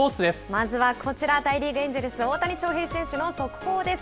まずはこちら、大リーグ・エンジェルス、大谷翔平選手の速報です。